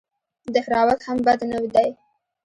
دهراوت هم بد نه دئ.